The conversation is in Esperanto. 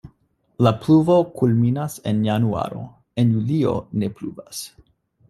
La pluvo kulminas en januaro, en julio ne pluvas.